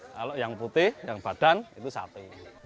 kalau yang putih yang badan itu satu